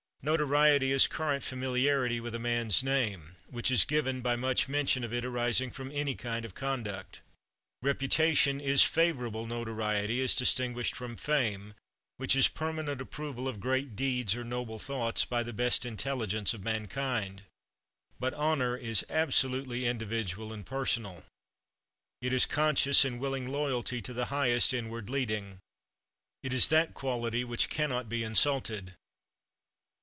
Notoriety is current familiarity with a man's name, which is given by much mention of it arising from any kind of conduct. Reputation is favorable notoriety as distinguished from fame, which is permanent approval of great deeds or noble thoughts by the best intelligence of mankind. But honor is absolutely individual and personal. It is conscious and willing loyalty to the highest inward leading. It is that quality which cannot be insulted.